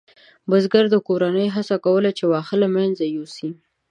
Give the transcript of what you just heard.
بزګرو کورنیو هڅه کوله چې واښه له منځه یوسي.